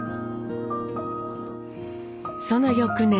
その翌年。